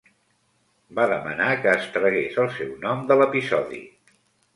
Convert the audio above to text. Va demanar que es tragués el seu nom de l'episodi.